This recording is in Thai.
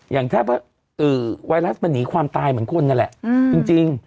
อย่างถ้าไวรัสมันหนีความตายเหมือนคนนั่นแหละจริง